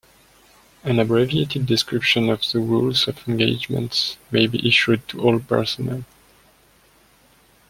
An abbreviated description of the rules of engagement may be issued to all personnel.